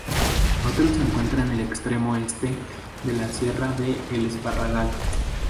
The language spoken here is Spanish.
Otro se encuentra en el extremo este de la sierra de El Esparragal.